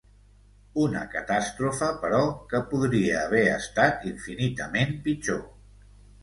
Una catàstrofe, però, que podria haver estat infinitament pitjor.